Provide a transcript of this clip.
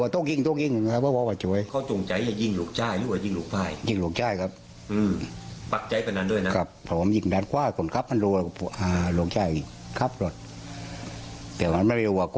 ฑคัม